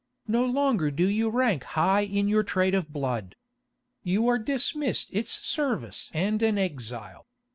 No longer do you rank high in your trade of blood. You are dismissed its service and an exile.